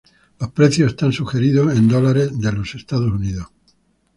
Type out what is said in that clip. Los precios son sugeridos en dólares de los estados unidos